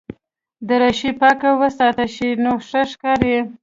دریشي پاکه وساتل شي نو ښه ښکاري.